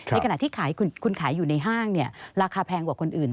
ในขณะที่คุณขายอยู่ในห้างราคาแพงกว่าคนอื่น